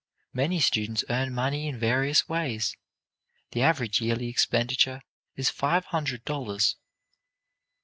Many students earn money in various ways. The average yearly expenditure is five hundred dollars.